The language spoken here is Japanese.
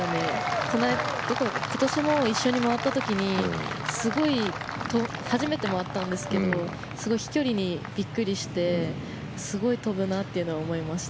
今年、一緒に回った時に初めて一緒に回ったんですがすごい飛距離にびっくりしてすごい飛ぶなっていうのは思いました。